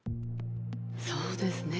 そうですね。